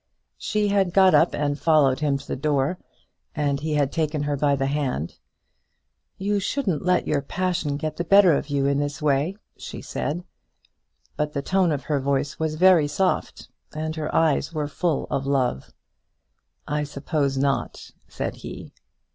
She had got up and followed him to the door, and he had taken her by the hand. "You shouldn't let your passion get the better of you in this way," she said; but the tone of her voice was very soft, and her eyes were full of love. "I suppose not," said he.